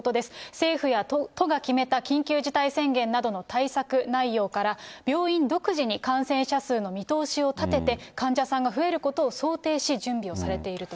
政府や都が決めた緊急事態宣言などの対策内容から、病院独自に感染者数の見通しを立てて、患者さんが増えることを想定し、準備をされていると。